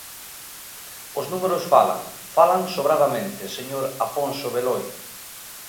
Os números falan, falan sobradamente, señor Afonso Beloi.